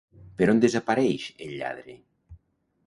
Per on desapareix el lladre?